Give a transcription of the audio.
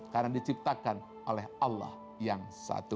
karena diciptakan oleh allah yang satu